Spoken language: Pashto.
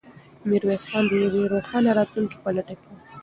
میرویس خان د یوې روښانه راتلونکې په لټه کې و.